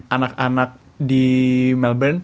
anak anak di melbourne